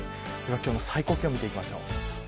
今日の最高気温を見ていきます。